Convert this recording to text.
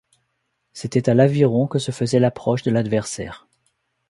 C'était à l'aviron que se faisait l'approche de l'adversaire.